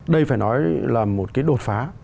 đây phải nói là một cái đột phá